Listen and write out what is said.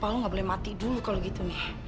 kalau lo gak boleh mati dulu kalau gitu nih